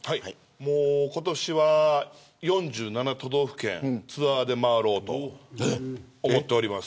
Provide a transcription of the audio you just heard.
もう今年は、４７都道府県ツアーで周ろうと思っております。